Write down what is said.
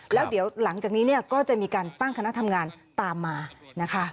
แล้วเดี๋ยวหลังจากนี้เนี่ยก็จะมีการตั้งคณะทำงานตามมานะคะ